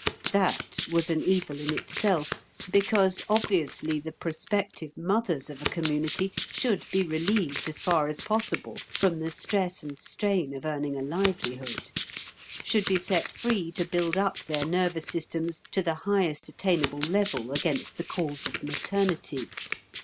That was an evil in itself, because obviously the prospective mothers of a community should be relieved as far as possible from the stress and strain of earning a livelihood; should be set free to build up their nervous systems to the highest attainable level against the calls of maternity.